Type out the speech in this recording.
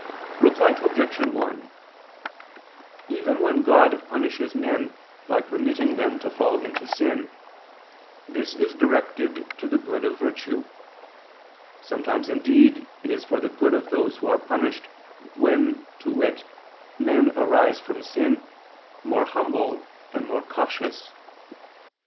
Reply Obj. 1: Even when God punishes men by permitting them to fall into sin, this is directed to the good of virtue. Sometimes indeed it is for the good of those who are punished, when, to wit, men arise from sin, more humble and more cautious.